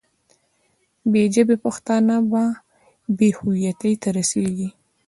بې ژبې پښتانه به بې هویتۍ ته رسېږي.